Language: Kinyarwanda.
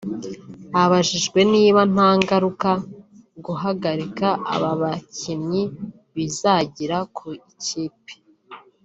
Abajijwe niba nta ngaruka guhagarika aba bakinnyi bizagira ku ikipe